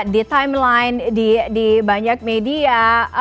di timeline di banyak media